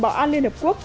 bảo an liên hợp quốc